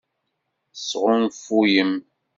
Tesɣunfuyem.